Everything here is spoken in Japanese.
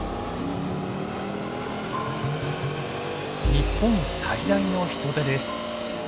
日本最大のヒトデです。